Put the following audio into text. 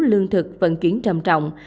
lương thực vận chuyển trầm trọng